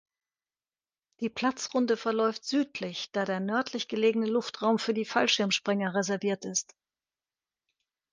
Die Platzrunde verläuft südlich, da der nördlich gelegene Luftraum für die Fallschirmspringer reserviert ist.